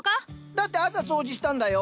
だって朝掃除したんだよ。